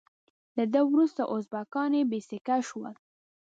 له ده وروسته ازبکان بې سیکه شول.